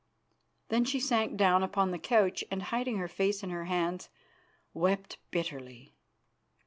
Then she sank down upon the couch, and, hiding her face in her hands, wept bitterly.